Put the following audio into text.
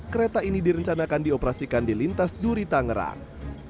kereta ini direncanakan dioperasikan di lintas durita ngerang